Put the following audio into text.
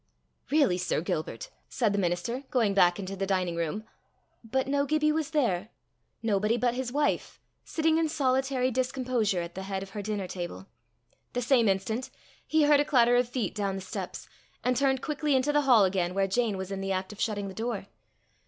"Really, Sir Gilbert," said the minister, going back into the dining room but no Gibbie was there! nobody but his wife, sitting in solitary discomposure at the head of her dinner table. The same instant, he heard a clatter of feet down the steps, and turned quickly into the hall again, where Jane was in the act of shutting the door.